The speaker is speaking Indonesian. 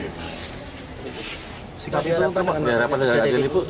tapi saya pertama kali melihatnya